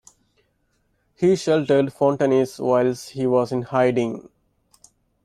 He sheltered Fontenis whilst he was in hiding.